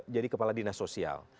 jadi kepala dinas sosial